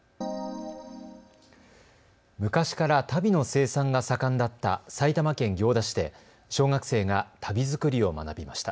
昔から足袋の生産が盛んだった埼玉県行田市で小学生が足袋作りを学びました。